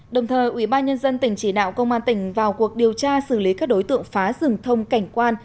đồng thời ủy ban nhân dân tỉnh chỉ đạo công an tỉnh vào cuộc điều tra xử lý các đối tượng phá rừng thông cảnh quan